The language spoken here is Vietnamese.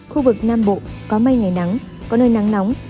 khu vực nam bộ có mây ngày nắng có nơi nắng nóng